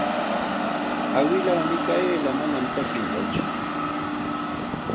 Awilaa Mikayla manam takikunqatsu.